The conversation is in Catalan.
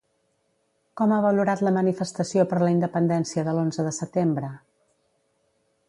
Com ha valorat la manifestació per la independència de l'onze de setembre?